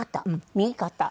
右肩。